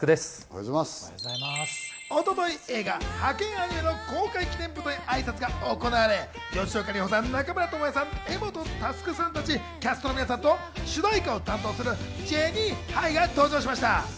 一昨日、映画『ハケンアニメ！』の公開記念舞台挨拶が行われ、吉岡里帆さん、中村倫也さん、柄本佑さんたちキャストの皆さんと主題歌を担当するジェニーハイが登場しました。